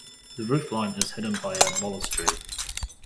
The roofline is hidden by a balustrade.